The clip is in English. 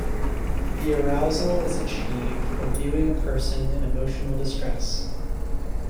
The arousal is achieved when viewing a person in emotional distress.